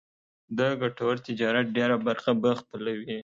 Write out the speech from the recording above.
د ګټور تجارت ډېره برخه به خپلوي.